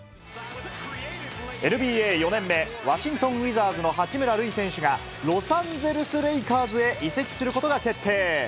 ＮＢＡ４年目、ワシントンウィザーズの八村塁選手が、ロサンゼルスレイカーズへ移籍することが決定。